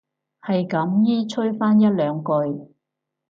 係咁依吹返一兩句